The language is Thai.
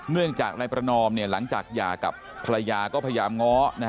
เนื่องจากนายประนอมหลังจากหย่ากับภรรยาก็พยายามง้อ